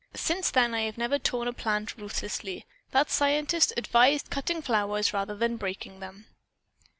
Since then I have never torn a plant ruthlessly. That scientist advised cutting flowers rather than breaking them."